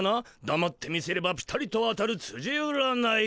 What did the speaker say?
だまって見せればピタリと当たるつじ占い。